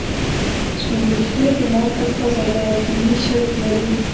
سپین ویښته د مرګ استازی دی دیني شالید لري